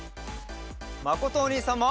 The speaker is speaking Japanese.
まことおにいさんも！